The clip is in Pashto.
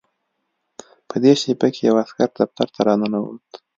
په دې شېبه کې یو عسکر دفتر ته راننوت